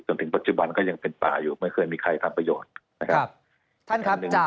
จนถึงปัจจุบันก็ยังเป็นป่าอยู่ไม่เคยมีใครทำประโยชน์